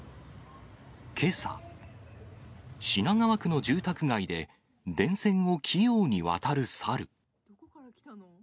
けさ、品川区の住宅街で、電線を器用に渡る猿。